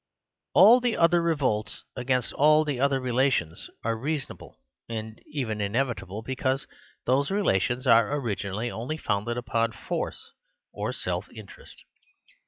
AH the other revolts against all the other relations are rea sonable and even inevitable, because those re lations are originally only founded upon force or self interest.